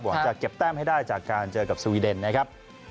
จะเก็บแต้มให้ได้จากการเจอกับสวีเดนนะครับ